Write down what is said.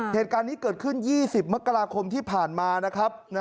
เหตุการณ์นี้เกิดขึ้น๒๐มกราคมที่ผ่านมานะครับ